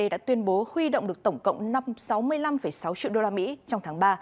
đã tuyên bố huy động được tổng cộng sáu mươi năm sáu triệu đô la mỹ trong tháng ba